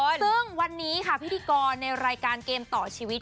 ซึ่งวันนี้ค่ะพิธีกรในรายการเกมต่อชีวิต